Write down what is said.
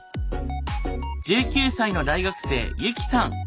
１９歳の大学生ユキさん。